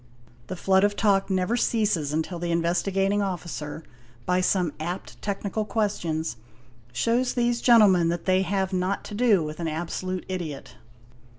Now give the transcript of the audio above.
The flood of talk never ceases until the Investigating Officer, by some apt technical questions, shows these gentle _ men that they have not to do with an absolute idiot.